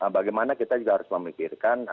bagaimana kita juga harus memikirkan